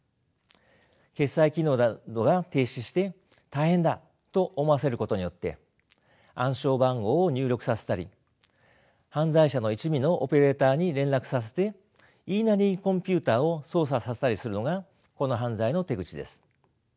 決済機能などが停止して大変だと思わせることによって暗証番号を入力させたり犯罪者の一味のオペレーターに連絡させて言いなりにコンピューターを操作させたりするのがこの犯罪の手口です。